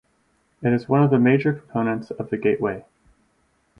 It is one of the major components of the Gateway.